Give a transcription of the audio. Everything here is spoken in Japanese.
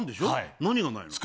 何がないの？